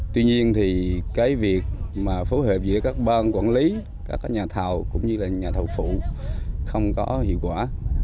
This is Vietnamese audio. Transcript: tuy nhiên việc phối hợp giữa các ban quản lý các nhà thầu cũng như nhà thầu phụ không có hiệu quả